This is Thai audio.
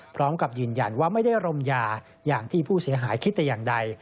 พร้อมกับยืนยันว่าไม่ได้รมยาอย่างที่ผู้เสียหายคิดแต่อย่างใด